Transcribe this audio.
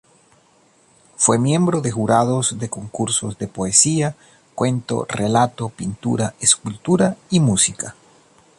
Fue miembro de Jurados de Concursos de Poesía, Cuento, Relato, Pintura, Escultura y Música.